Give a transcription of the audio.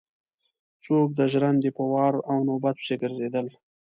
څوک د ژرندې په وار او نوبت پسې ګرځېدل.